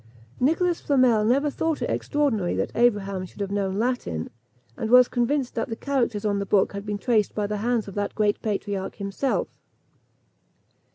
Nicholas Flamel never thought it extraordinary that Abraham should have known Latin, and was convinced that the characters on his book had been traced by the hands of that great patriarch himself.